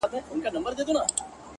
تا د ورځي زه د ځان كړمه جانـانـه”